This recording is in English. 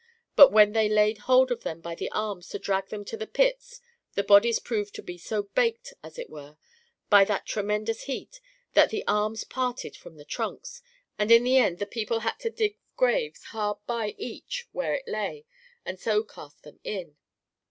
But when they laid hold of them by the arms to drag them to the pits, the bodies proved to be so baked, as it were, by that tremendous heat, that the arms parted from the trunks, and in the end the people had to dig graves hard by each where it lay, and so cast them in.